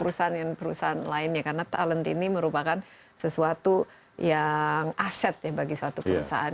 perusahaan perusahaan lainnya karena talent ini merupakan sesuatu yang aset ya bagi suatu perusahaan